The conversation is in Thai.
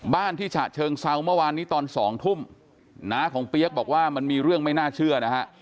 ที่ฉะเชิงเซาเมื่อวานนี้ตอน๒ทุ่มน้าของเปี๊ยกบอกว่ามันมีเรื่องไม่น่าเชื่อนะฮะ